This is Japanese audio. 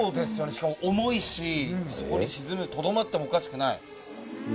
しかも重いし底に沈むとどまってもおかしくない。